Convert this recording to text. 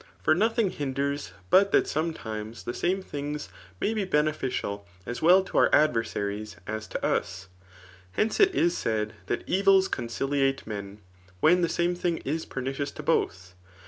For nothing hinders but that sometimes the same things may be beneficial as well to our adversaries as to lis. Hence, it is said that evils conciliate men, when the same thing is pernicious to both.